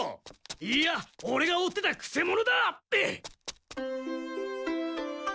いいやオレが追ってたくせ者だ！